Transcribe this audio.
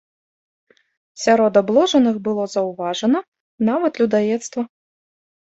Сярод абложаных было заўважана нават людаедства.